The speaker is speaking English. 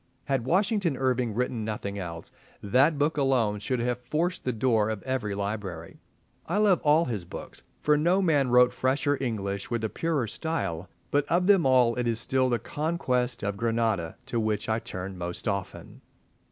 Had Washington Irving written nothing else, that book alone should have forced the door of every library. I love all his books, for no man wrote fresher English with a purer style; but of them all it is still "The Conquest of Granada" to which I turn most often.